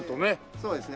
そうですね。